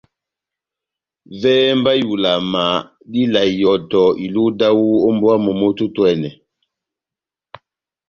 Vɛhɛ mba ihulama dá ivala ihɔtɔ iluhu dáwu ó mbówa momó tɛ́h otwɛ́nɛ́.